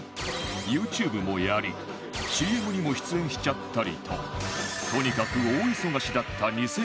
ＹｏｕＴｕｂｅ もやり ＣＭ にも出演しちゃったりととにかく